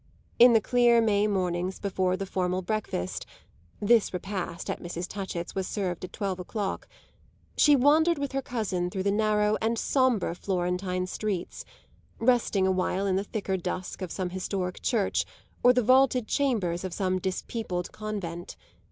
In the clear May mornings before the formal breakfast this repast at Mrs. Touchett's was served at twelve o'clock she wandered with her cousin through the narrow and sombre Florentine streets, resting a while in the thicker dusk of some historic church or the vaulted chambers of some dispeopled convent.